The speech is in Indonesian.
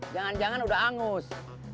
jangan jangan udah angus